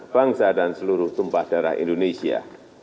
bangsa dan seluruh tumpah darah indonesia